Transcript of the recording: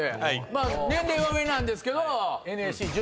まあ年齢は上なんですけど。